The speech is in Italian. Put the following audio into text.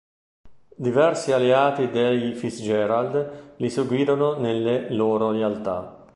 Diversi alleati dei Fitzgerald li seguirono nelle loro lealtà.